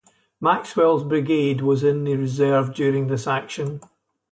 Maxwell's Brigade was in the reserve during this action.